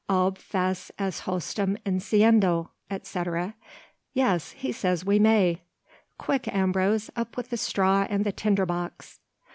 "Ob fas est hostem incendio," etc. "Yes; he says we may. Quick, Ambrose, up with the straw and the tinder box."